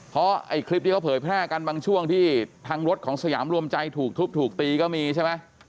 เพราะไอ้คลิปที่เขาเผยแพร่กันบางช่วงที่ทางรถของสยามรวมใจถูกทุบถูกตีก็มีใช่ไหม